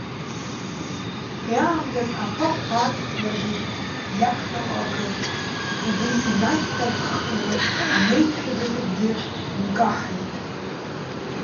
Убри аамҭазы аԥахә аашьҭнаргеит иаԥхьаҟа акы, убри инашьҭарххны анаҩсшәа даҽакгьы нкаҳаит.